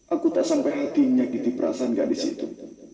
aku tak sampai hatinya gitu perasaan gadis itu